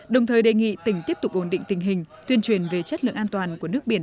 đồng thời đề nghị tỉnh tiếp tục ổn định tình hình tuyên truyền về chất lượng an toàn của nước biển